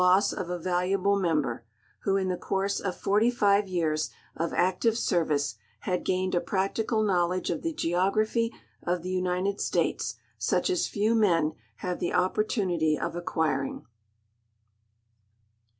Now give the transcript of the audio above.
ss of a valuable nieniber, who in the course of 45 years of active service had gaineil a jiractieal knowledge of the geography of the United States such as few men have the opportunity of ac«iuiring.